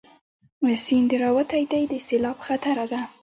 سيند راوتی دی، د سېلاب خطره ده